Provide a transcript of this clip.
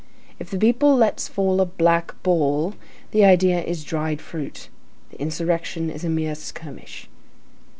If the people lets fall a black ball, the idea is dried fruit; the insurrection is a mere skirmish.